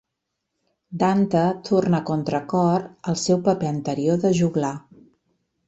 Dante torna a contracor al seu paper anterior de joglar.